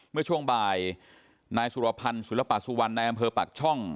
เมื่อช่วงบ่ายนายสุรพันธ์ศิลปสุวรรณนายอำเภอปากช่อง